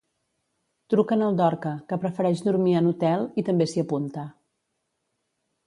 Truquen el Dorca, que prefereix dormir en hotel, i també s'hi apunta.